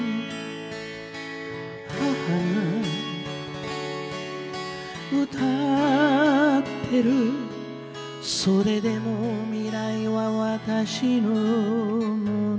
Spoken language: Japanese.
「母が歌ってる「それでも未来は私のもの」」